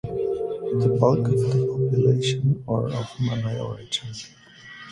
The bulk of the population are of Malay origin.